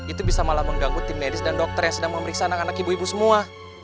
itu bisa malah mengganggu tim medis dan dokter yang sedang memeriksa anak anak ibu ibu semua